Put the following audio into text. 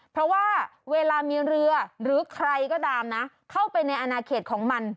เพราะว่าเวลามีเรือหรือใครก็ตามนะเข้าไปในอนาเขตของมัน